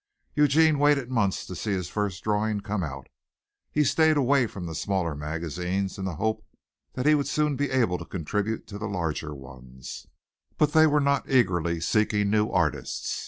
Eugene waited months to see his first drawing come out. He stayed away from the smaller magazines in the hope that he would soon be able to contribute to the larger ones, but they were not eagerly seeking new artists.